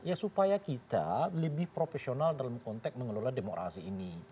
ya supaya kita lebih profesional dalam konteks mengelola demokrasi ini